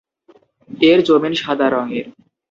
এর জমিন সাদা রঙের।